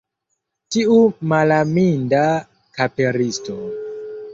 Tiu malaminda kaperisto!